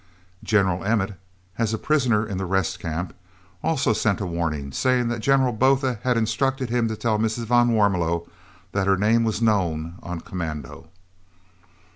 General Emmet, as prisoner in the Rest Camp, also sent a warning, saying that General Botha had instructed him to tell Mrs. van Warmelo that her name was known on commando.